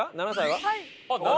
はい。